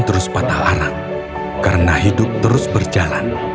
rumusnya harika pun collectsize yang datang